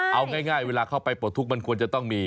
เอาง่ายเวลาเข้าไปปลดทุกข์มันควรจะต้องมี